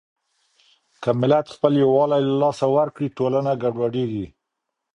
که ملت خپل يووالی له لاسه ورکړي، ټولنه ګډوډېږي.